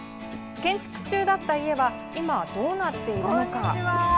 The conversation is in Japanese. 建築中だった家は今はどうなっているのか。